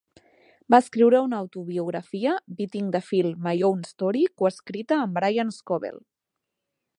Va escriure una autobiografia "Beating the Field: My Own Story", coescrita amb Brian Scovell.